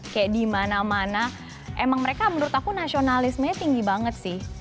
kayak di mana mana emang mereka menurut aku nasionalismenya tinggi banget sih